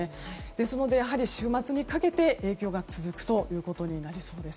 ですので、週末にかけて影響が続くことになりそうです。